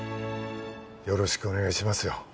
よろしくお願いしますよ